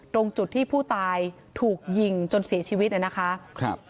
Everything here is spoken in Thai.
ตรงจุดที่ผู้ตายถูกยิงจนเสียชีวิตเนี่ยนะคะครับ